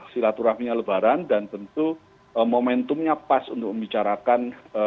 silaturahminya lebaran dan tentu momentumnya pas untuk membicarakan